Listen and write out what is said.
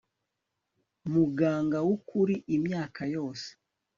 muganga w'ukuri imyaka yose